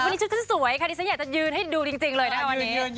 วันนี้ชุดฉันสวยค่ะดิฉันอยากจะยืนให้ดูจริงเลยนะคะวันนี้